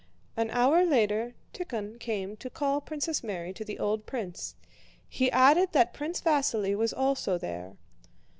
An hour later, Tíkhon came to call Princess Mary to the old prince; he added that Prince Vasíli was also there.